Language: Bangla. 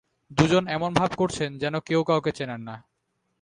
দু জন এমন ভাব করছেন, যেন কেউ কাউকে চেনেন না।